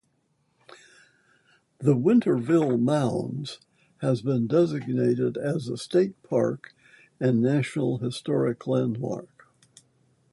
The Winterville Mounds has been designated as a state park and National Historic Landmark.